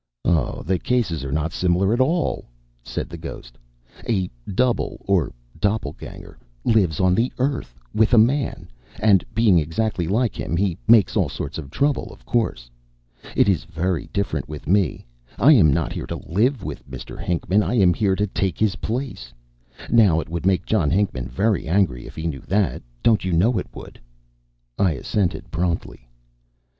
"Oh! the cases are not similar at all," said the ghost. "A double or doppelgänger lives on the earth with a man; and, being exactly like him, he makes all sorts of trouble, of course. It is very different with me. I am not here to live with Mr. Hinckman. I am here to take his place. Now, it would make John Hinckman very angry if he knew that. Don't you know it would?" I assented promptly.